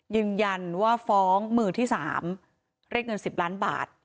ยืนยันว่าฟ้องมือที่๓เรียกเงิน๑๐ล้านบาท